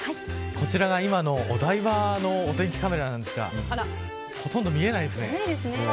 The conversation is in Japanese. こちらが今のお台場のお天気カメラですがほとんど見えないですね。